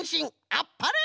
あっぱれ！